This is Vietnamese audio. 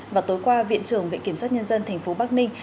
và tối qua viện trưởng viện kiểm soát nhân dân tp bắc ninh